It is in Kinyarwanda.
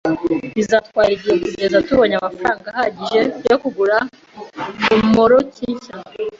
Bizatwara igihe kugeza tubonye amafaranga ahagije yo kugura romoruki nshya.